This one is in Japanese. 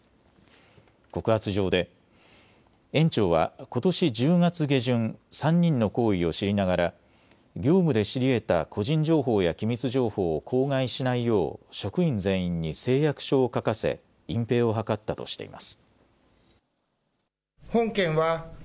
告発状で園長はことし１０月下旬、３人の行為を知りながら業務で知りえた個人情報や機密情報を口外しないよう職員全員に誓約書を書かせ隠蔽を図ったとしています。